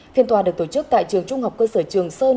phiên tòa được tổ chức tại trường trung học cơ sở trường sơn